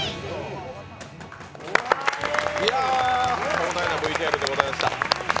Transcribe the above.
壮大なＶＴＲでございました。